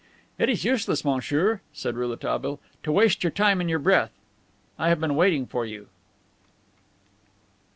"It is useless, monsieur," said Rouletabille, "to waste your time and your breath. I have been waiting for you."